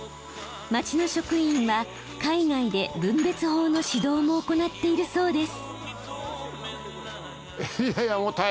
町の職員は海外で分別法の指導も行っているそうです。